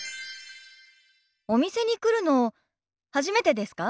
お店に来るの初めてですか？